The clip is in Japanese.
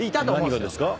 何がですか？